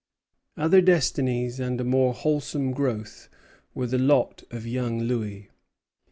Other destinies and a more wholesome growth were the lot of young Louis.